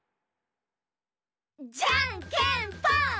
じゃんけんぽん！